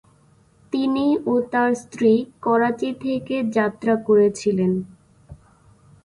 তিনি ও তার স্ত্রী করাচি থেকে যাত্রা করেছিলেন।